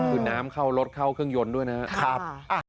คือน้ำเข้ารถเข้าเครื่องยนต์ด้วยนะครับ